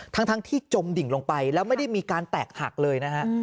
ทั้งที่จมดิ่งลงไปแล้วไม่ได้มีการแตกหักเลยนะฮะ